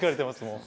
もう。